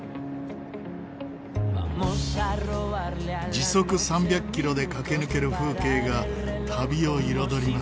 時速３００キロで駆け抜ける風景が旅を彩ります。